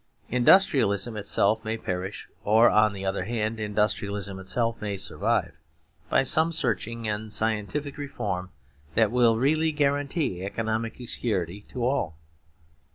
Industrialism itself may perish; or on the other hand industrialism itself may survive, by some searching and scientific reform that will really guarantee economic security to all.